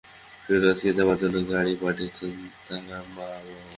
ফিরোজকে যাবার জন্যে গাড়ি পাঠিয়েছেন তার বাবা-মা।